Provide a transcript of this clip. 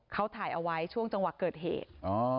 เขาถ่ายเอาไว้ช่วงจังหวะเกิดเหตุ